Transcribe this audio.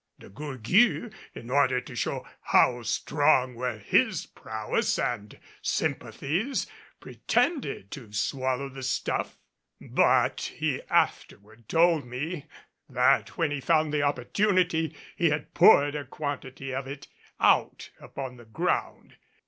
De Gourgues, in order to show how strong were his prowess and sympathies, pretended to swallow the stuff; but he afterward told me that when he found the opportunity he had poured a quantity of it out upon the ground.